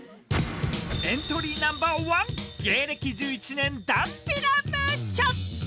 エントリーナンバー１、芸歴１１年、ダンビラムーチョ。